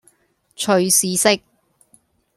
隨時食